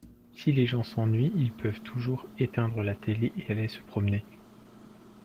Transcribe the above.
Si les gens s'ennuient ils peuvent toujours éteindre la téle et aller se promener.